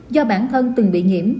do bản thân từng bị nhiễm